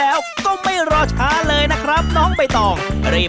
อ้าวจริงครับครับ